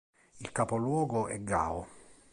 Il capoluogo è Gao.